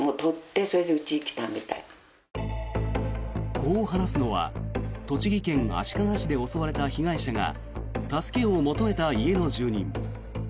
こう話すのは栃木県足利市で襲われた被害者が助けを求めた家の住人。